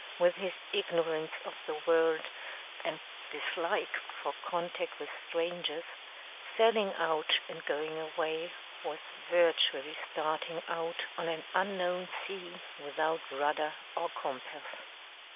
With his ignorance of the world, and dislike for contact with strangers, selling out and going away was virtually starting out on an unknown sea without rudder or compass.